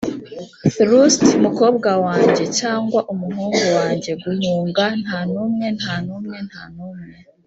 thrust, mukobwa wanjye cyangwa umuhungu wanjye, guhunga, ntanumwe, ntanumwe, ntanumwe,